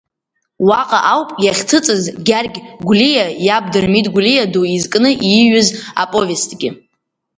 Уаҟа ауп иахьҭыҵыз Гьаргь Гәлиа иаб Дырмит Гәлиа ду изкны ииҩыз аповестгьы.